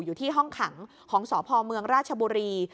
อยู่ที่ห้องขังของสพเมืองราชบุรี